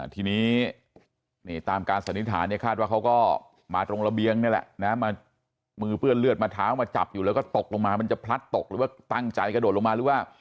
ทีนี้ตามการสันนิษฐานเนี่ยคาดว่าเขาก็มาตรงระเบียงนี่แหละนะมามือเปื้อนเลือดมาเท้ามาจับอยู่แล้วก็ตกลงมามันจะพลัดตกหรือว่าตั้งใจกระโดดลงมาหรือว่า